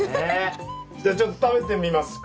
じゃちょっと食べてみますか。